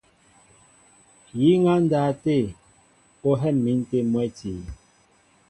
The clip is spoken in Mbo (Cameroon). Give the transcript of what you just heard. Yíŋ á ndáw tê, ó hɛ̂m̀in tê mwɛ̌ti.